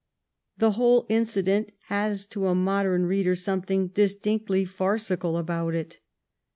The whole incident has to a modern reader something distinctly farcical about it.